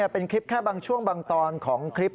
เป็นคลิปแค่บางช่วงบางตอนของคลิป